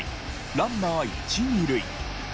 ランナー１２塁。